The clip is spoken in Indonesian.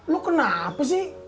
lo kenapa sih